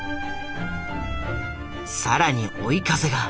更に追い風が。